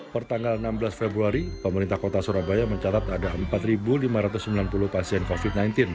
pertanggal enam belas februari pemerintah kota surabaya mencatat ada empat lima ratus sembilan puluh pasien covid sembilan belas